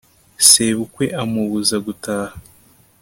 sebukwe amubuza gutaha